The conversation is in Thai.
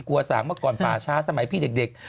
สางเมื่อก่อนป่าช้าสมัยพี่เด็ก